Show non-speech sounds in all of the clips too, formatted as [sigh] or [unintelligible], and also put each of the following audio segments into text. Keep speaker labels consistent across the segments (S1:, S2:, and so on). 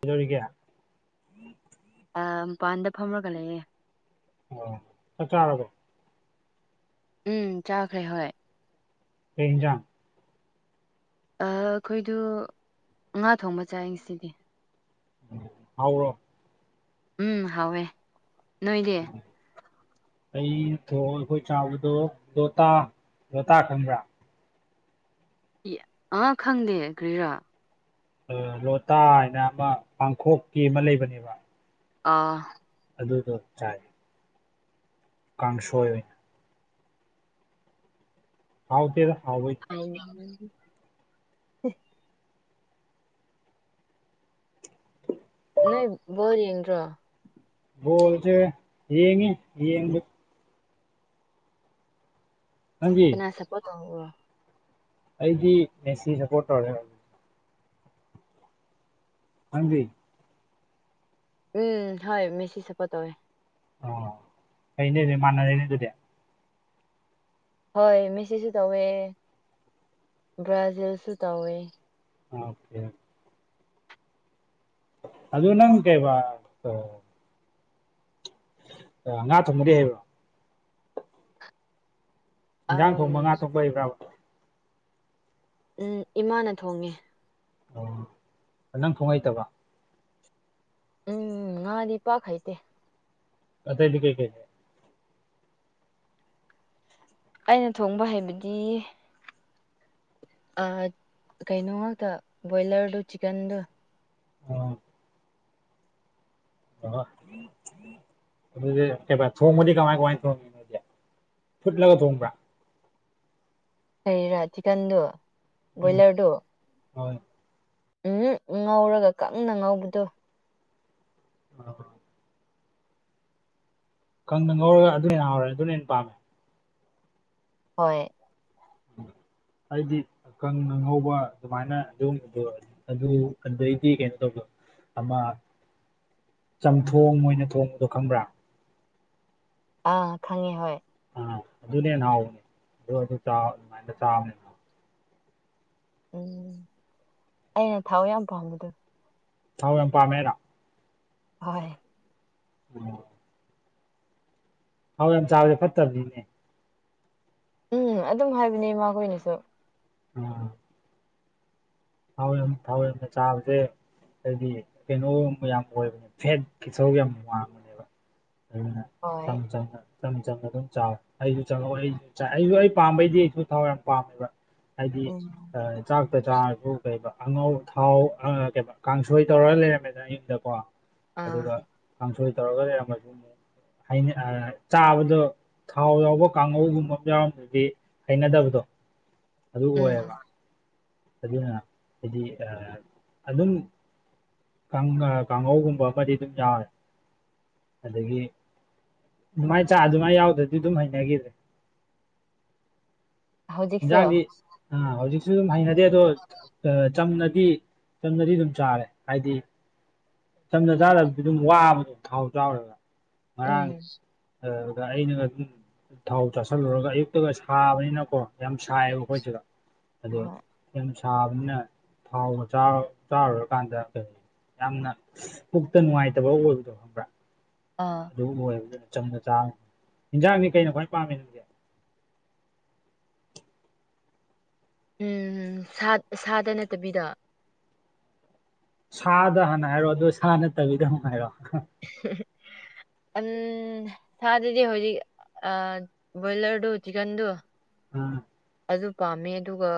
S1: ꯀꯩꯗꯧꯔꯤꯒ‌ꯦ
S2: ꯑꯥ ꯃꯄꯥꯟꯗ ꯐꯝꯔꯒ ꯂꯩꯌꯦ
S1: ꯑꯣ ꯆꯥꯛ ꯆꯥꯔꯕꯣ
S2: ꯎꯝ ꯆꯥꯈ꯭ꯔꯦ ꯍꯣꯏ
S1: ꯀꯩ ꯏꯟꯖꯥꯡ
S2: ꯑ‌ ꯑꯩꯈꯣꯏꯗꯨ ꯉꯥ ꯊꯣꯡꯕ ꯆꯥꯏ ꯉꯁꯤꯗꯤ
S1: ꯍꯥꯎꯕ꯭ꯔ‌ꯣ
S2: ꯎꯝ ꯍꯥꯎꯋꯦ ꯅꯣꯏꯗꯤ
S1: ꯑꯩ ꯊꯣꯡꯉ‌ꯦ ꯑꯩꯈꯣꯏ ꯆꯥꯎꯕꯗꯣ ꯂꯣꯇꯥ ꯂꯣꯇꯥ ꯈꯪꯕ꯭ꯔꯥ
S2: ꯏꯌꯥ ꯑꯥ ꯈꯪꯗꯦ ꯀꯔꯤꯔꯥ
S1: ꯑ‌ ꯂꯣꯇꯥ ꯍꯥꯏꯅ ꯑꯃ ꯄꯥꯡꯈꯣꯛꯀꯤ ꯑꯃ ꯂꯩꯕꯅꯦꯕ
S2: ꯑꯥ
S1: ꯑꯗꯨꯗꯣ ꯆꯥꯏ ꯀꯥꯡꯁꯣꯏ ꯑꯣꯏꯅ ꯍꯥꯎꯇ‌ꯦꯗ ꯍꯥꯎꯕꯩ
S2: [unintelligible] ꯅꯣꯏ ꯕꯣꯜ ꯌꯦꯡꯗ꯭ꯔꯣ
S1: ꯕꯣꯜꯖ‌ꯦ ꯌꯦꯡꯉꯤ ꯌꯦꯡꯕꯩ ꯅꯪꯒꯤ
S2: ꯀꯅꯥ ꯁꯞꯄꯣꯔꯠ ꯇꯧꯕ꯭ꯔꯣ
S1: ꯑꯩꯗꯤ ꯃꯦꯁꯤ ꯁꯞꯄꯣꯔꯠ ꯇꯧꯔꯦ ꯅꯪꯗꯤ
S2: ꯎꯝ ꯍꯣꯏ ꯃꯦꯁꯤ ꯁꯞꯄ‌ꯣꯔꯠ ꯇꯧꯋꯦ
S1: ꯑꯣ ꯑꯩꯩꯅꯦ ꯑꯗꯨꯅꯦ ꯃꯥꯟꯅꯔ‌ꯦꯅꯦ ꯑꯗꯨꯗꯤ
S2: ꯍꯣꯏ ꯃꯦꯁꯤꯁꯨ ꯇꯧꯋꯦ ꯕ꯭ꯔꯥꯖꯤꯜꯁꯨ ꯇꯧꯋꯦ
S1: ꯑꯣꯀꯦ ꯑꯗꯨ ꯅꯪ ꯀꯩꯕ ꯑ ꯉꯥ ꯊꯣꯡꯕꯗꯤ ꯍꯩꯕ꯭ꯔ‌ꯣ ꯏꯟꯖꯥꯡ
S2: ꯑꯝ
S1: ꯊꯣꯡꯕ ꯉꯥ ꯊꯣꯡꯕ ꯍꯩꯕ꯭ꯔꯕ
S2: ꯎꯝ ꯏꯃꯥꯅ ꯊꯣꯡꯉꯦ
S1: ꯑꯣ ꯅꯪ ꯊꯣꯡ ꯍꯩꯇꯕ
S2: ꯎꯝ ꯉꯥꯗꯤ ꯄꯥꯛ ꯍꯩꯇꯦ
S1: ꯑꯇꯩꯗꯤ ꯀꯩ ꯀꯩ ꯍꯩ
S2: ꯑꯩꯅ ꯊꯣꯡꯕ ꯍꯩꯕꯗꯤ ꯑꯥ ꯀꯩꯅꯣ ꯉꯥꯛꯇ ꯕꯣꯏꯂ꯭ꯔꯗꯨ ꯆꯤꯛꯀꯟꯗꯨ
S1: ꯑꯣ ꯑꯣꯍꯥ ꯑꯗꯨꯗꯤ ꯀꯩꯕ ꯊꯣꯡꯕꯗꯤ ꯀꯃꯥꯏ ꯀꯃꯥꯏ ꯊꯣꯡꯉꯤ ꯅꯣꯢꯗꯤ ꯐꯨꯠꯂꯒ ꯊꯣꯡꯕ꯭ꯔꯥ
S2: ꯀꯩꯔꯥ ꯆꯤꯛꯀꯟꯗꯨ
S1: ꯎꯝ
S2: ꯕꯣꯏꯂꯔꯗꯨ
S1: ꯍꯣꯏ
S2: ꯎꯝ ꯉꯧꯔꯒ ꯀꯪꯅ ꯉꯧꯕꯗꯣ
S1: ꯇꯥꯕ꯭ꯔꯣ ꯀꯪꯅ ꯉꯧꯔꯒ ꯑꯗꯨ ꯍꯦꯟꯅ ꯍꯥꯎꯔꯦ ꯑꯗꯨꯅ ꯍꯦꯟꯅ ꯄꯥꯝꯃꯦ
S2: ꯍꯣꯏ
S1: ꯑꯩꯗꯤ ꯀꯪꯅ ꯉꯧꯕ ꯑꯗꯨꯃꯥꯏꯅ ꯑꯗꯨꯒꯨꯝꯕꯗꯣ ꯑꯗꯨ ꯑꯗꯩꯗꯤ ꯀꯩꯅꯣ ꯇꯧꯕꯗꯣ ꯑꯃ ꯆꯝꯊꯣꯡ ꯑꯣꯏꯅ ꯊꯣꯡꯕꯗꯣ ꯈꯪꯕ꯭ꯔꯥ
S2: ꯑꯥ ꯈꯪꯉꯦ ꯍꯣꯏ
S1: ꯑꯥ ꯑꯗꯨꯅ ꯍꯦꯟꯅ ꯍꯥꯎꯕꯅꯦ ꯑꯗꯨ ꯑꯗꯨ ꯆꯥꯎ ꯑꯗꯨꯃꯥꯏꯅ ꯆꯥꯕꯅꯦ
S2: ꯎꯝ ꯑꯩꯅ ꯊꯥꯎ ꯌꯥꯝ ꯄꯥꯝꯕꯗꯣ
S1: ꯊꯥꯎ ꯌꯥꯝ ꯄꯥꯝꯃꯦ ꯍꯥꯢꯔꯣ
S2: ꯍꯣꯏ
S1: ꯎꯝ ꯊꯥꯎ ꯌꯥꯝ ꯆꯥꯕꯖꯦ ꯐꯠꯇꯝꯅꯤꯅꯦ
S2: ꯎꯝ ꯑꯗꯨꯝ ꯍꯥꯏꯕꯅꯦ ꯏꯃꯥꯈꯣꯏꯅꯁꯨ
S1: ꯎꯝ ꯊꯥꯎ ꯌꯥꯝ ꯊꯥꯎ ꯌꯥꯝꯅ ꯆꯥꯕꯖꯦ ꯍꯥꯏꯗꯤ ꯀꯩꯅꯣ ꯒꯨꯝꯕ ꯌꯥꯝ ꯑꯣꯏꯕꯅꯦ ꯐꯦꯠꯀꯤ ꯁꯔꯨꯛ ꯌꯥꯝ ꯋꯥꯡꯕꯅꯦꯕ ꯑꯗꯨꯅ
S2: ꯍꯣꯏ
S1: ꯆꯝ ꯆꯝꯅ ꯆꯝ ꯆꯝꯅ ꯑꯗꯨꯝ ꯆꯥꯎ ꯑꯩꯖꯨ ꯆꯪꯉꯛꯑꯣ ꯑꯩꯖꯨ ꯆꯥꯥꯏ ꯑꯩꯖꯨ ꯑꯩ ꯄꯥꯝꯕꯩꯗꯤ ꯑꯩꯁꯨ ꯊꯥꯎ ꯌꯥꯝ ꯄꯥꯝꯃꯦꯕ ꯍꯥꯏꯗꯤ
S2: ꯎꯝ
S1: ꯑ ꯆꯥꯛꯇ ꯆꯥꯔꯖꯨ ꯀꯩꯑꯕ ꯑꯉꯧ ꯊꯥꯎ ꯑ ꯀꯩꯅꯣ ꯀꯥꯡꯁꯣꯏ ꯇꯧꯔꯒ ꯂꯩꯔꯝꯃꯦꯗꯅ ꯑꯌꯨꯛꯇꯀꯣ
S2: ꯑꯥ
S1: ꯑꯗꯨꯒ ꯀꯥꯡꯁꯣꯏ ꯇꯧꯔꯒ ꯂꯩꯔꯝꯃꯁꯨ ꯑꯃꯨꯛ ꯍꯥꯏꯅꯛ ꯑ ꯆꯥꯕꯗꯣ ꯊꯥꯎ ꯌꯥꯎꯕ ꯀꯥꯡꯉꯧꯒꯨꯝꯕ ꯑꯃ ꯌꯥꯎꯔꯝꯗ꯭ꯔꯗꯤ ꯍꯩꯅꯗꯕꯗꯣ ꯑꯗꯨ
S2: ꯎꯝ
S1: ꯑꯣꯏꯌꯦꯕ ꯑꯗꯨꯅ ꯍꯥꯏꯗꯤ ꯑꯥ ꯑꯗꯨꯝ ꯀꯪ ꯑ ꯀꯥꯡꯍꯧꯒꯨꯝꯕ ꯑꯃꯗꯤ ꯑꯗꯨꯝ ꯌꯥꯎꯔꯦ ꯑꯗꯒꯤ ꯑꯗꯨꯃꯥꯏ ꯆꯥ ꯑꯗꯨꯃꯥꯏ ꯌꯥꯎꯗ꯭ꯔꯗꯤ ꯑꯗꯨꯝ ꯍꯩꯅꯒꯤꯗ꯭ꯔꯦ
S2: ꯍꯧꯖꯤꯛꯁꯨ
S1: ꯍꯤꯟꯖꯥꯡꯗꯤ ꯑꯥ ꯍꯧꯖꯤꯛꯁꯨ ꯑꯗꯨꯝ ꯍꯩꯅꯗꯦ ꯑꯗꯣ ꯑ ꯆꯝꯅꯗꯤ ꯆꯝꯅꯗꯤ ꯑꯗꯨꯝ ꯆꯥꯔꯦ ꯍꯥꯏꯗꯤ ꯆꯝꯅ ꯆꯥꯗꯕꯗꯤ ꯑꯗꯨꯝ ꯋꯥꯕꯗ ꯊꯥꯎ ꯆꯥꯎꯔꯨꯔꯒ ꯉꯔꯥꯡ
S2: ꯎꯝ
S1: ꯑꯥ ꯑꯗ ꯑꯩꯅꯒ ꯑꯗꯨꯝ ꯊꯥꯎ ꯆꯥꯁꯜꯂꯨꯔꯒ ꯑꯌꯨꯛꯇꯒ ꯁꯥꯕꯅꯤꯅꯀꯣ ꯌꯥꯝ ꯁꯥꯏꯌꯦꯕ ꯑꯩꯈꯣꯏꯁꯤꯗ ꯑꯗꯨ
S2: ꯍꯣꯏ
S1: ꯌꯥꯝ ꯁꯥꯕꯅꯤꯅ ꯊꯥꯎꯒ ꯆꯥꯔ ꯆꯥꯔꯨꯔꯀꯥꯟꯗ ꯀꯩ ꯌꯥꯝꯅ ꯄꯨꯛꯇ ꯅꯨꯡꯉꯥꯏꯇꯕ ꯑꯣꯏꯕꯗꯣ ꯈꯪꯕ꯭ꯔꯥ
S2: ꯑꯥ
S1: ꯑꯗꯨꯒꯨꯝꯕ ꯑꯣꯏꯕꯅꯤꯅ ꯆꯝꯅ ꯆꯥꯕ ꯍꯤꯟꯖꯥꯡꯗꯤ ꯀꯩꯅ ꯈ꯭ꯋꯥꯏ ꯄꯥꯝꯃꯤ
S2: ꯎꯝ ꯁꯥ ꯁꯥꯗ ꯅꯠꯇꯕꯤꯗ
S1: ꯁꯥꯗ ꯍꯥꯟꯅ ꯍꯥꯏꯔꯣ ꯑꯗꯨ ꯁꯥ ꯅꯠꯇꯕꯤꯗ ꯑꯃꯨꯛ ꯍꯥꯏꯔꯣ
S2: ꯑꯟ ꯁꯥꯗꯗꯤ ꯍꯧꯖꯤꯛ ꯑ ꯕꯣꯏꯂꯔꯗꯣ ꯆꯤꯀꯟꯗꯨ
S1: ꯎꯝ
S2: ꯑꯗꯨ ꯄꯥꯝꯃꯦ ꯑꯗꯨꯒ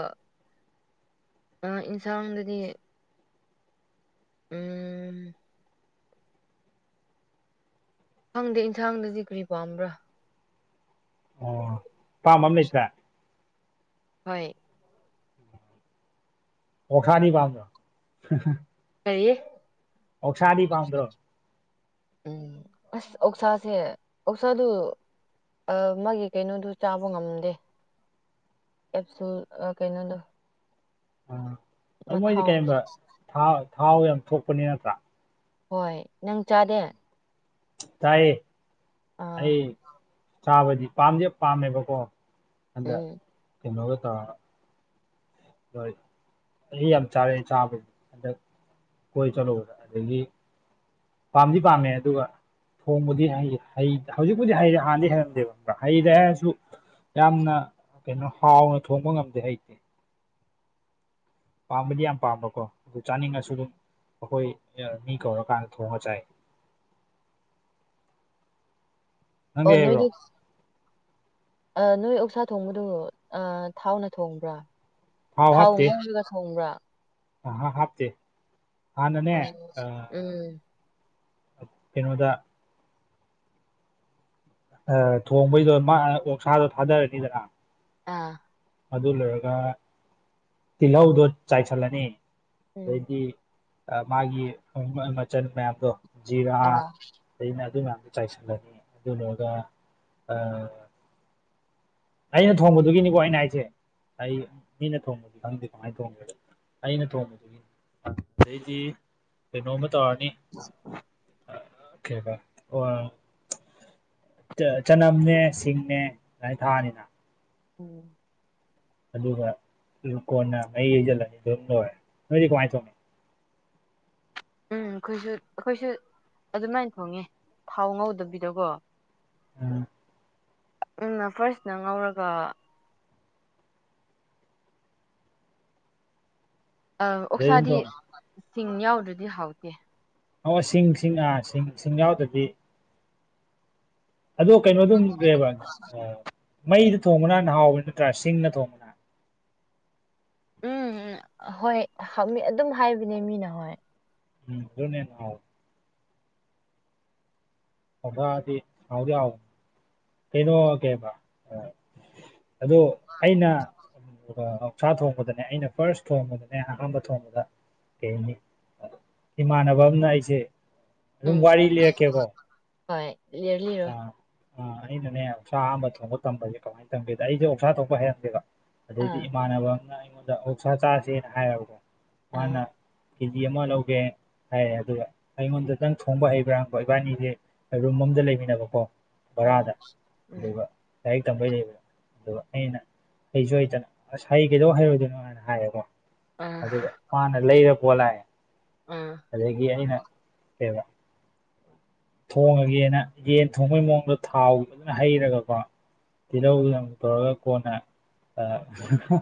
S2: ꯑ ꯏꯟꯁꯥꯡꯗꯗꯤ꯫ ꯎꯝ ꯈꯪꯗꯦ ꯏꯟꯁꯥꯡꯗꯗꯤ ꯀꯔꯤ ꯄꯥꯝꯕ꯭ꯔꯥ꯫
S1: ꯑꯣ ꯄꯥꯝꯕ ꯑꯝ ꯂꯩꯇ꯭ꯔꯦ꯫
S2: ꯍꯣꯏ
S1: ꯑꯣꯛꯁꯥꯗꯤ ꯄꯥꯝꯕꯔ꯭꯫
S2: ꯀꯔꯤꯌꯦ
S1: ꯑꯣꯛꯁꯥꯗꯤ ꯄꯥꯝꯗ꯭ꯔꯣ
S2: ꯎꯝ ꯑꯁ ꯑꯣꯛꯁꯥꯁꯦ ꯑꯣꯛꯁꯥꯗꯨ꯫ ꯑꯥ ꯃꯥꯒꯤ ꯀꯩꯅꯣꯗꯨ ꯆꯥꯕ ꯉꯝꯗꯦ꯫ ꯑꯦꯞꯁꯁꯨꯜ ꯑꯥ ꯀꯩꯅꯣꯗꯣ꯫
S1: ꯑ ꯑꯗꯨ ꯃꯣꯏꯗꯤ
S2: ꯃꯊꯥꯎꯗꯣ
S1: ꯀꯩꯒꯨꯝꯕ ꯊꯥ ꯊꯥꯎ ꯌꯥꯝ ꯊꯣꯛꯄꯅꯤ ꯅꯠꯇ꯭ꯔꯥ꯫
S2: ꯍꯣꯏ ꯅꯪ ꯆꯥꯗꯦ꯫
S1: ꯆꯥꯏꯌꯦ
S2: ꯑꯥ
S1: ꯑꯩ ꯆꯥꯕꯗꯤ ꯄꯥꯝꯗꯤ ꯄꯥꯝꯃꯦꯕꯀꯣ꯫ ꯍꯟꯗꯛ
S2: ꯎꯝ
S1: ꯀꯩꯅꯣꯒ ꯇꯧꯔꯒ ꯫ ꯂꯣꯏ ꯑꯩ ꯌꯥꯝ ꯆꯥꯔꯑꯦ ꯆꯥꯕꯗꯤ ꯍꯟꯗꯛ ꯀꯣꯏ ꯆꯠꯂꯨꯕꯗ ꯑꯗꯒꯤ ꯄꯥꯝꯗꯤ ꯄꯥꯝꯃꯦ ꯑꯗꯨꯒ ꯊꯣꯡꯕꯗꯤ ꯍꯩ ꯍꯩ ꯍꯧꯖꯤꯛꯄꯨꯗꯤ ꯍꯩꯔꯦ ꯍꯥꯟꯅꯗꯤ ꯍꯩꯔꯝꯗꯦꯕ ꯈꯪꯕꯔ꯭ꯥ ꯍꯩꯔꯦ ꯍꯥꯏꯔꯁꯨ꯫ ꯌꯥꯝꯅ ꯀꯩꯅꯣ ꯍꯥꯎꯅ ꯊꯣꯡꯕ ꯉꯝꯗꯦ ꯍꯩꯇꯦ꯫ ꯄꯥꯝꯕꯗꯤ ꯌꯥꯝ ꯄꯥꯝꯕꯀꯣ ꯑꯗꯨ ꯆꯥꯅꯤꯡꯉꯁꯨ ꯗꯨꯝ ꯑꯩꯈꯣꯏ ꯑ ꯃꯤ ꯀꯧꯔꯀꯥꯟꯗ ꯊꯣꯡꯉ ꯆꯥꯏ꯫ ꯅꯪꯗꯤ
S2: ꯑꯣ
S1: ꯍꯩꯕ꯭ꯔꯣ
S2: ꯅꯣꯏꯗꯤ ꯑꯥ ꯅꯣꯏ ꯑꯣꯛꯁꯥ ꯊꯣꯡꯕꯗꯨ ꯊꯥꯎꯅ ꯊꯣꯡꯕ꯭ꯔꯥ꯫ ꯊꯥꯎ ꯉꯧꯔꯒ ꯊꯣꯡꯕ꯭ꯔꯥ꯫
S1: ꯑꯍ ꯍꯥꯞꯇꯦ ꯍꯥꯟꯅꯅꯦ
S2: ꯎꯝ
S1: ꯑ
S2: ꯎꯝ
S1: ꯑ ꯀꯩꯅꯣꯗ꯫ ꯑ ꯊꯣꯡꯕꯩꯗꯣ ꯃꯥ ꯑꯣꯛꯁꯥꯗꯣ ꯊꯥꯗꯔꯅꯤꯗꯅ
S2: ꯑꯥ
S1: ꯑꯗꯨ ꯂꯣꯏꯔꯒ ꯇꯤꯜꯍꯧꯗꯣ ꯆꯥꯏꯁꯜꯂꯅꯤ
S2: ꯎꯝ
S1: ꯑꯗꯩꯗꯤ ꯑ ꯃꯥꯒꯤ ꯊꯣꯡꯕ ꯃꯆꯜ ꯃꯌꯥꯝꯗꯣ ꯖꯤꯔꯥ
S2: ꯑꯥ
S1: ꯗꯩꯅ ꯑꯗꯨ ꯃꯌꯥꯝꯗꯨ ꯆꯥꯏꯁꯜꯂꯅꯤ ꯑꯗꯨ ꯂꯣꯏꯔꯒ ꯑꯥ ꯑꯩꯅ ꯊꯣꯡꯕꯗꯨꯒꯤꯅꯤꯀꯣ ꯑꯩꯅ ꯍꯥꯏꯁꯦ ꯑꯩ ꯃꯤꯅ ꯊꯣꯡꯕꯗꯤ ꯈꯪꯗꯦ ꯀꯃꯥꯏꯅ ꯊꯣꯡꯒꯦꯗꯣ ꯑꯩꯅ ꯊꯣꯡꯕꯗꯨꯒꯤ ꯑꯗꯩꯗꯤ ꯀꯩꯅꯣꯝꯃ ꯇꯧꯔꯅꯤ
S2: [inaudible]
S1: ꯀꯩꯕꯥ ꯑꯣꯑ ꯇ ꯆꯅꯝꯅꯦ ꯁꯤꯡꯅꯦ ꯑꯗꯨꯃꯥꯏꯅ ꯊꯥꯛꯑꯅꯤꯅ
S2: ꯎꯝ
S1: ꯑꯗꯨꯒ ꯗꯨ ꯀꯣꯟꯅ ꯃꯍꯤ ꯍꯩꯖꯤꯜꯂꯅꯤ ꯑꯗꯨꯝ ꯂꯣꯏꯔꯦ ꯅꯣꯏꯗꯤ ꯀꯃꯥꯏ ꯊꯣꯡꯉꯤ ꯫
S2: ꯎꯝ ꯑꯩꯈꯣꯏꯁꯨ ꯑꯩꯈꯣꯏꯁꯨ ꯑꯗꯨꯃꯥꯏꯟ ꯊꯣꯡꯉꯦ ꯊꯥꯎ ꯉꯧꯗꯕꯤꯗꯒꯣ ꯫
S1: ꯎꯝ
S2: ꯎꯝ ꯅ ꯐꯔꯁꯅ ꯉꯧꯔꯒ꯫ ꯑ
S1: ꯑꯗꯩ ꯑꯗꯨꯝ
S2: ꯑꯣꯛꯁꯥꯗꯤ
S1: ꯊꯣꯡꯉꯤ
S2: ꯁꯤꯡ ꯌꯥꯎꯗ꯭ꯔꯗꯤ ꯍꯥꯎꯇꯦ꯫
S1: ꯑꯣ ꯁꯤꯡꯁꯤꯡ ꯑꯥ ꯁꯤꯡ ꯁꯤꯡ ꯌꯥꯎꯗ꯭ꯔꯗꯤ ꯑꯗꯣ ꯀꯩꯅꯣꯗꯨꯝ ꯀꯩꯌꯦꯕ ꯑꯥ ꯃꯩꯗ ꯊꯣꯡꯕꯅ ꯍꯦꯟ ꯍꯥꯎꯕ ꯅꯠꯇ꯭ꯔꯥ ꯁꯤꯡꯅ ꯊꯣꯡꯕ
S2: ꯎꯝ ꯎꯝ ꯍꯣꯏ ꯍꯃꯤ ꯑꯗꯨꯝ ꯍꯥꯏꯕꯅꯦ ꯃꯤꯅ ꯍꯣꯏ꯫
S1: ꯎꯝ [unintelligible] ꯑꯣꯕꯗꯤ ꯍꯥꯎꯗꯤ ꯍꯥꯎ ꯀꯩꯅꯣꯒꯦꯕ ꯑꯥ ꯑꯗꯣ ꯑꯩꯅ [unintelligible] ꯁꯥ ꯊꯣꯡꯕꯗꯅꯦ ꯑꯩꯅ ꯐꯥꯔꯁ ꯊꯣꯡꯕꯗꯅꯦ ꯑꯍꯥꯟꯕ ꯊꯣꯡꯕꯗ ꯀꯩ ꯍꯥꯏꯅꯤ ꯏꯃꯥꯟꯅꯕ ꯑꯃꯅ ꯑꯩꯁꯦ ꯑꯗꯨꯝ
S2: ꯎꯝ
S1: ꯋꯥꯔꯤ ꯂꯤꯔꯛꯀꯦꯀꯣ
S2: ꯍꯣꯏ ꯂꯤꯔꯂꯤꯔꯣ
S1: ꯑꯥ ꯑꯥ ꯑꯩꯅꯅꯦ ꯑꯣꯛꯁꯥ ꯑꯍꯥꯟꯕ ꯊꯣꯡꯕ ꯇꯝꯕꯁꯦ ꯀꯃꯥꯏꯅ ꯇꯝꯒꯦꯗ ꯑꯩꯖ‍ꯦ ꯑꯣꯁꯥ ꯊꯣꯡꯕ ꯍꯩꯔꯝꯗꯦꯕ ꯑꯗꯩꯗꯤ
S2: ꯑꯥ
S1: ꯏꯃꯥꯟꯅꯕ ꯑꯃꯅ ꯑꯩꯉꯣꯟꯗ ꯑꯣꯛꯁꯥ ꯆꯥꯖ‌ꯦꯅ ꯍꯥꯏꯔꯕꯀꯣ
S2: ꯑꯥ
S1: ꯃꯥꯅ ꯀꯦꯖꯤ ꯑꯃ ꯂꯧꯒꯦ ꯍꯥꯏꯔꯦ ꯑꯗꯨꯒ ꯑꯩꯉꯣꯟꯗꯇꯪ ꯊꯣꯡꯕ ꯍꯩꯕ꯭ꯔꯥ ꯍꯪꯕ ꯏꯕꯥꯅꯤꯖ‌ꯦ ꯔꯨꯝ ꯑꯝꯗ ꯂꯩꯃꯤꯟꯅꯕꯀꯣ
S2: ꯑꯣ
S1: ꯕꯔꯥꯗ
S2: ꯎꯝ
S1: ꯑꯗꯨꯒ ꯂꯥꯏꯔꯤꯛ ꯇꯝꯕꯩ ꯂꯩꯕꯗ ꯑꯗꯨꯒ ꯑꯩꯅ ꯍꯩꯁꯨ ꯍꯩꯇꯅ ꯑꯁ ꯍꯩ ꯀꯩꯗꯧ ꯍꯩꯔꯣꯏꯗꯣꯏꯅꯣ ꯍꯥꯏꯅ ꯍꯥꯏꯔ‌ꯦꯀꯣ
S2: ꯑꯥ
S1: ꯑꯗꯨꯒ ꯃꯥꯅ ꯂꯩꯔ ꯄꯨꯔꯥ ꯂꯥꯛꯑꯦ
S2: ꯑꯥ
S1: ꯑꯗꯒꯤ ꯑꯩꯅ ꯀꯩꯕ ꯊꯣꯡꯉꯒꯦꯅ ꯌꯦꯟ ꯊꯣꯡꯕꯩ ꯃꯑꯣꯡꯗꯣ ꯊꯥꯎ ꯐꯖꯥꯅ ꯍꯩꯔꯒꯀꯣ ꯇꯤꯜꯍꯧꯅ ꯇꯧꯔꯒ ꯀꯣꯟꯅ ꯍꯍ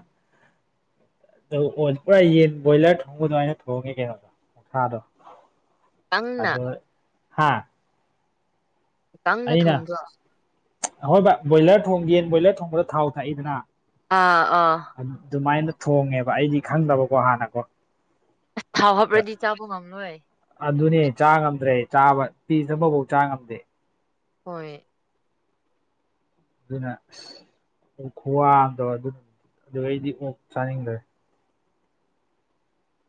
S1: ꯑꯗꯨ ꯑꯣ ꯄꯨꯔꯥ ꯌꯦꯟ ꯕꯣꯏꯂꯔ ꯊꯣꯡꯕ ꯗꯨꯃꯥꯏꯅ ꯊꯣꯡꯉ‌ꯦ ꯀꯩꯅꯣ ꯑꯣꯛꯁꯥꯗꯣ
S2: ꯀꯪꯅ
S1: ꯑꯗꯣ ꯍꯥꯥ
S2: ꯀꯪꯅ ꯊꯣꯡꯕ꯭ꯔꯣ
S1: ꯑꯍꯣꯏ ꯕꯥ ꯕꯣꯏꯂꯔ ꯊꯣꯡꯒꯦꯅ ꯕꯣꯏꯂꯔ ꯊꯣꯡꯕꯗ ꯊꯥꯎ ꯊꯥꯛꯏꯗꯅ
S2: ꯑꯥ ꯑꯥ
S1: ꯑꯗꯨꯃꯥꯏꯅ ꯊꯣꯡꯉꯦꯕ ꯑꯩꯗꯤ ꯈꯪꯗꯕꯀꯣ ꯍꯥꯟꯅꯀꯣ
S2: ꯊꯥꯎ
S1: ꯑꯗꯨꯗ
S2: ꯍꯞꯔꯗꯤ ꯆꯥꯕ ꯉꯝꯂꯣꯏ
S1: ꯑꯗꯨꯅꯦ ꯆꯥ ꯉꯝꯗ꯭ꯔꯦ ꯆꯥꯕ ꯄꯤꯁ ꯑꯃꯐꯧ ꯆꯥ ꯉꯝꯗꯦ
S2: ꯍ‌ꯣꯏ
S1: ꯑꯗꯨꯅ ꯑꯁ ꯈꯨꯋꯥꯝꯗ ꯑꯗꯨ ꯑꯗꯨꯗꯩꯗꯤ ꯑꯣꯛ ꯆꯥꯅꯤꯡꯗ꯭ꯔꯦ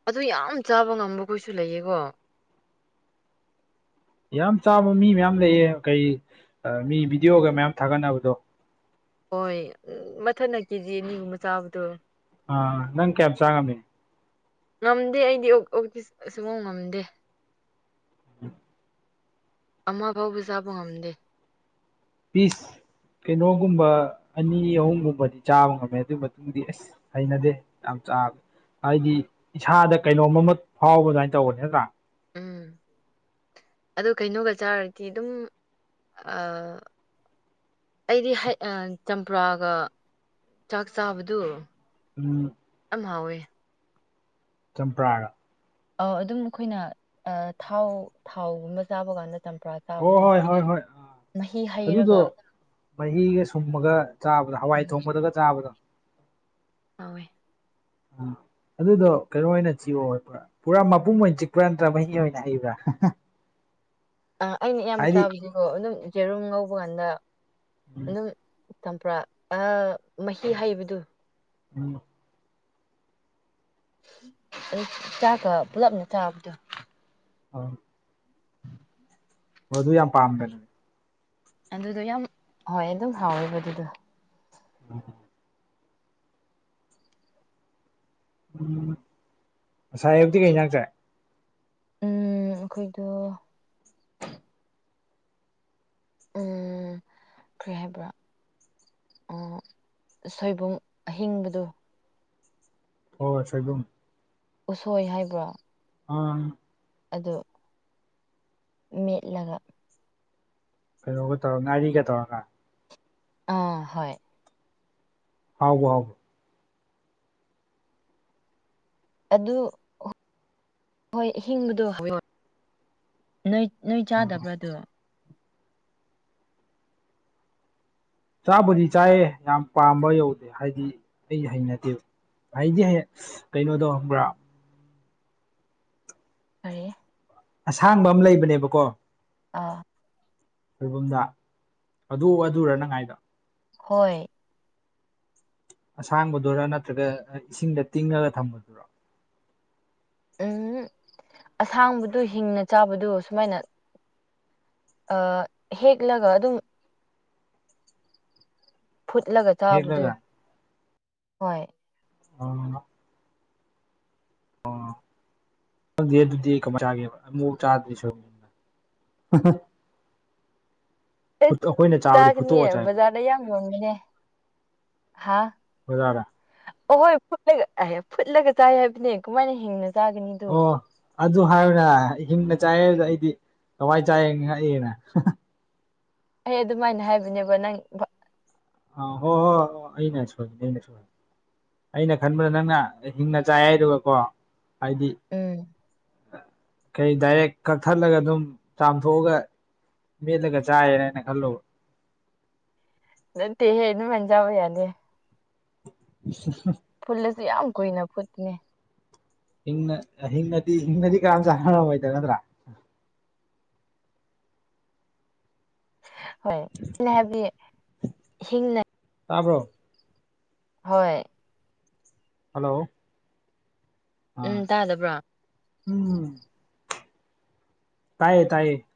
S2: ꯑꯗꯨ ꯌꯥꯝ ꯆꯥꯕ ꯉꯝꯕ ꯈꯣꯏꯁꯨ ꯂꯩꯌꯦꯀꯣ
S1: ꯌꯥꯝ ꯆꯥꯕ ꯃꯤ ꯃꯌꯥꯝ ꯂꯩꯌꯦ ꯀꯩ ꯃꯤ ꯚꯤꯗꯤꯑꯣꯒ ꯃꯌꯥꯝ ꯊꯥꯒꯠꯅꯕꯗꯣ
S2: ꯍꯣꯏ ꯎ ꯃꯊꯟꯅ ꯀꯦꯖꯤ ꯑꯅꯤꯒꯨꯝꯕ ꯆꯥꯕꯗꯣ
S1: ꯑ ꯅꯪ ꯀꯌꯥꯝ ꯆꯥꯉꯝꯃꯤ
S2: ꯉꯝꯗꯦ ꯑꯩꯗꯤ ꯑꯣꯛ ꯑꯣꯇꯤ ꯑꯁ ꯁꯨꯛꯉꯝ ꯉꯝꯗꯦ
S1: ꯎꯝ
S2: ꯑꯃ ꯐꯥꯎꯕ ꯆꯥꯕ ꯉꯝꯗꯦ
S1: ꯄꯤꯁ ꯀꯩꯅꯣꯒꯨꯝꯕ ꯑꯅꯤ ꯑꯍꯨꯝꯒꯨꯝꯕꯗꯤ ꯆꯥꯕ ꯉꯝꯃꯦ ꯑꯗꯨꯒꯤ ꯃꯇꯨꯡꯗꯤ ꯑꯁ ꯍꯩꯅꯗꯦ ꯌꯥꯝ ꯆ ꯍꯥꯏꯗꯤ ꯏꯁꯥꯗ ꯀꯩꯅꯣꯝ ꯑꯃ ꯐꯥꯎꯕ ꯑꯗꯨꯃꯥꯏꯅ ꯇꯧꯕ ꯅꯠꯇꯔꯥ [inaudible]
S2: ꯑꯗꯣ ꯀꯩꯅꯣꯒ ꯆꯥꯔꯗꯤ ꯑꯗꯨꯝ ꯑ ꯑꯩꯗꯤ ꯍꯩ ꯆꯝꯄ꯭ꯔꯥꯒ ꯆꯥꯛ ꯆꯥꯕꯗꯨ
S1: ꯎꯝ
S2: ꯌꯥꯝ ꯍꯥꯎꯋꯦ
S1: ꯆꯝꯄ꯭ꯔꯥꯒ
S2: ꯑ ꯑꯗꯨꯝ ꯑꯩꯈꯣꯏꯅ ꯑꯥ ꯊꯥꯎ ꯊꯥꯎꯒꯨꯝꯕ ꯆꯥꯕ ꯀꯥꯟꯗ ꯆꯝꯄ꯭ꯔꯥ
S1: ꯑꯣ
S2: ꯆꯥꯕꯗꯨ
S1: ꯍꯣꯏ ꯍꯣꯏ ꯍꯣꯏ ꯑꯥ
S2: ꯃꯍꯤ
S1: ꯑꯗꯨꯗꯣ
S2: ꯍꯩꯔꯒ
S1: ꯃꯍꯤꯒ ꯁꯨꯝꯃꯒ ꯆꯥꯕꯗꯣ ꯍꯋꯥꯏ
S2: ꯎꯝ
S1: ꯊꯣꯡꯕꯗꯒ ꯆꯥꯕꯗꯣ
S2: ꯍꯥꯎꯋ‌ꯦ
S1: ꯎꯝ ꯑꯗꯨꯗꯣ ꯀꯩꯅꯣ ꯑꯣꯏꯅ ꯊꯤꯌꯣ ꯍꯥꯏꯕ ꯄꯨꯔꯥ ꯃꯄꯨꯝ ꯑꯣꯏꯅ ꯆꯤꯛꯄ꯭ꯔꯥ ꯅꯠꯇ꯭ꯔꯥ ꯃꯍꯤ ꯑꯣꯏꯅ ꯍꯩꯕ꯭ꯔꯥ
S2: ꯑꯥ ꯑꯩꯅ ꯑꯌꯥꯝꯕ
S1: ꯍꯥꯏꯗꯤ
S2: ꯆꯥꯒꯤꯅꯤꯀꯣ ꯑꯗꯨꯝ ꯖ‌ꯦꯔꯨꯝ ꯉꯧꯕ ꯀꯥꯟꯗ
S1: ꯎꯝ
S2: ꯗꯨꯝ ꯇꯝꯄ꯭ꯔꯥ ꯑꯥ ꯃꯍꯤ ꯍꯩꯕꯗꯨ
S1: ꯎꯝ
S2: ꯆꯥꯛꯀ ꯄꯨꯂꯞꯅ ꯆꯥꯕꯗꯣ
S1: ꯑꯣ ꯍꯣ ꯑꯗꯨ ꯌꯥꯝ ꯄꯥꯝꯒꯅꯨ
S2: ꯑꯗꯨꯗꯣ ꯌꯥꯝ ꯍꯣꯏ ꯑꯗꯨꯝ ꯍꯥꯎꯋꯦꯕ ꯗꯨꯗꯣ
S1: ꯑ ꯉꯁꯥꯏ ꯑꯌꯨꯛꯇꯤ ꯀꯩ ꯍꯤꯡꯖꯥꯡ ‌ꯆꯥꯏ
S2: ꯎꯝ ꯑꯈꯣꯏꯗꯣ ꯎꯝ ꯀ꯭ꯔꯤ ꯍꯥꯏꯕ꯭ꯔꯥ ꯁꯣꯏꯕꯨꯝ ꯑꯍꯤꯡꯕꯗꯣ
S1: ꯑꯣ ꯁꯣꯏꯕꯨꯝ
S2: ꯎꯁꯣꯏ ꯍꯥꯏꯕ꯭ꯔꯣ
S1: ꯑꯪ
S2: ꯑꯗꯨ ꯃꯦꯠꯂꯒ
S1: ꯀꯩꯅꯣꯒ ꯇꯧꯔ ꯉꯥꯔꯤꯒ ꯇꯧꯔꯒ
S2: ꯑꯥ ꯍꯣꯏ
S1: ꯍꯥꯎꯕꯨ ꯍꯥꯎꯕ꯭ꯔꯣ
S2: ꯑꯗꯨ ꯍꯣꯏ ꯑꯍꯤꯡꯕꯗꯣ ꯅꯣꯏ ꯅꯣꯏ
S1: ꯑꯣ
S2: ꯆꯥꯗꯕ꯭ꯔꯥ ꯗꯨ
S1: ꯆꯥꯕꯨꯗꯤ ꯆꯥꯏꯌꯦ ꯌꯥꯝ ꯄꯥꯝꯕ ꯌꯧꯗꯦ ꯍꯥꯏꯗꯤ ꯑꯩ ꯍꯩꯅꯗꯦꯕ ꯍꯩꯗꯤ ꯍꯩꯌꯦ ꯀꯩꯅꯣꯗꯣ ꯄꯨꯔꯥ
S2: ꯐꯩꯌꯦ
S1: ꯑꯁꯥꯡꯕ ꯑꯃ ꯂꯩꯕꯅꯦꯕꯀꯣ
S2: ꯑꯥ
S1: ꯁꯣꯏꯕꯨꯝꯗ ꯑꯗꯨ ꯑꯗꯨꯔꯥ ꯅꯪ ꯍꯥꯏꯗꯣ
S2: ꯍꯣꯏ
S1: ꯑꯁꯥꯡꯕꯗꯨꯔꯥ ꯅꯠꯇ꯭ꯔꯒ ꯏꯁꯤꯡꯗ ꯇꯤꯡꯉꯒ ꯊꯝꯕꯗꯨꯔꯥ
S2: ꯑꯁꯥꯡꯕꯗꯣ ꯍꯤꯡꯅ ꯆꯥꯕꯗꯨ ꯁꯨꯃꯥꯏꯅ ꯑꯥ ꯍꯦꯛꯂꯒ ꯑꯗꯨꯝ ꯐꯨꯠꯂꯒ ꯆꯥꯕꯗꯣ
S1: ꯍꯦꯛꯂꯒ
S2: ꯍꯣꯏ
S1: ꯑꯣ ꯑꯣ ꯈꯪꯗꯦ ꯑꯗꯨꯗꯤ ꯀꯃꯥꯏ ꯆꯥꯒꯦꯕ ꯑꯃꯨꯛ ꯆꯥꯗ꯭ꯔꯤ ꯑꯩꯁꯨ [unintelligible]
S2: ꯏꯁ
S1: ꯐꯨꯠ ꯑꯩꯈꯣꯏꯅ ꯆꯥꯕꯗꯤ
S2: ꯆꯥꯒꯅꯤ
S1: ꯐꯨꯠꯇꯣꯛꯑ ꯆꯥꯏ
S2: ꯕꯖꯥꯔꯗ ꯌꯥꯝ ꯌꯣꯟꯕꯅꯦ ꯍꯥ
S1: ꯕꯖꯥꯔꯗ
S2: ꯑꯣꯍꯣꯏ ꯐꯨꯠꯂꯒ ꯑꯥꯏ ꯐꯨꯠꯂꯒ ꯆꯥꯏ ꯍꯥꯏꯕꯅꯦ ꯀꯃꯥꯏꯅ ꯍꯤꯡꯅ ꯆꯥꯒꯅꯤꯗꯨ
S1: ꯑꯣ ꯑꯗꯨ ꯍꯥꯏꯑꯣꯅ ꯍꯤꯡꯅ ꯆꯥꯏ ꯍꯥꯏꯗꯨꯗ ꯑꯩꯗꯤ ꯀꯃꯥꯏ ꯆꯥꯏ ꯉꯛꯏꯅ
S2: ꯑꯩ ꯑꯗꯨꯃꯥꯏꯅ ꯍꯥꯏꯕꯅꯦꯕ ꯅꯪ
S1: ꯑ ꯍꯣ ꯍꯣ ꯑꯩꯅ ꯁ‌ꯣꯏꯕꯅ‌ꯦ ꯑꯩꯅ ꯁ‌ꯣꯏꯕꯅ‌ꯦ ꯑꯩꯅ ꯈꯟꯕꯅ ꯅꯪꯅ ꯍꯤꯡꯅ ꯆꯥꯏ ꯍꯥꯏꯗꯨꯀꯣ ꯍꯥꯏꯗꯤ
S2: ꯎꯝ
S1: ꯀꯩ ꯗꯥꯏꯔꯦꯛ ꯀꯛꯊꯠꯂꯒ ꯑꯗꯨꯝ ꯆꯥꯝꯊꯣꯛꯑꯒ ꯃꯦꯠꯂꯒ ꯆꯥꯏꯌꯦꯅ ꯈꯜꯂꯨꯕ
S2: ꯅꯠꯇꯦꯍꯦ ꯗꯨꯃꯥꯏ ꯆꯕ ꯌꯥꯗꯦ
S1: [inaudible]
S2: ꯐꯨꯠꯂꯁꯨ ꯌꯥꯝ ꯀꯨꯏꯅ ꯐꯨꯠꯇꯤꯌ‌ꯦ
S1: ꯍꯤꯡꯅ ꯍꯤꯡꯅꯗꯤ ꯍꯤꯡꯅꯗꯤ ꯀꯅꯥꯝ ꯆꯥꯟꯅꯔꯝꯃ‌ꯣꯏꯗ ꯅꯠꯇ꯭ꯔꯥ
S2: ꯍꯣꯏ ꯑꯩꯅ ꯍꯥꯏꯕꯗꯤ ꯍꯤꯡꯅ
S1: ꯇꯥꯕ꯭ꯔꯣ
S2: ꯍꯣꯏ
S1: ꯍꯜꯂꯣ
S2: ꯎꯝ
S1: ꯑꯥ
S2: ꯇꯥꯗꯕ꯭ꯔ‌ꯣ
S1: ꯎꯝ ꯇꯥꯏꯌꯦ ꯇꯥꯏꯌꯦ